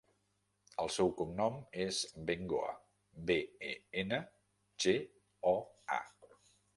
El seu cognom és Bengoa: be, e, ena, ge, o, a.